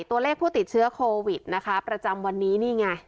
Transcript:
ตัวเลขผู้ติดเชื้อโควิดนะคะประจำวันนี้นี่ไง